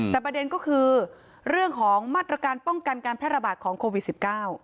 แต่ประเด็นก็คือเรื่องของมาตรการป้องกันการแพร่ระบาดของโควิด๑๙